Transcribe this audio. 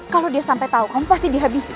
kalau dia sampai tahu kamu pasti dihabiskan